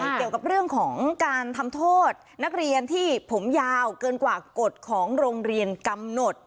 เกี่ยวกับเรื่องของการทำโทษนักเรียนที่ผมยาวเกินกว่ากฎของโรงเรียนกำหนด